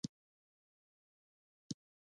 غریب د دنیا تود بادونه زغمي